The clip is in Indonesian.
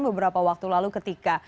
beberapa waktu lalu ketika